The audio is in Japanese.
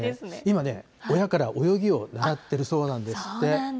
今ね、親から泳ぎを習っているそうなんですって。